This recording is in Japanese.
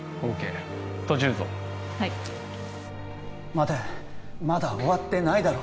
待てまだ終わってないだろ